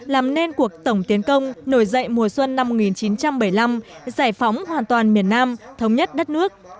làm nên cuộc tổng tiến công nổi dậy mùa xuân năm một nghìn chín trăm bảy mươi năm giải phóng hoàn toàn miền nam thống nhất đất nước